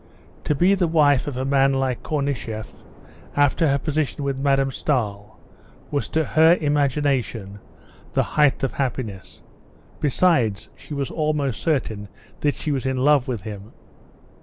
To be the wife of a man like Koznishev, after her position with Madame Stahl, was to her imagination the height of happiness. Besides, she was almost certain that she was in love with him.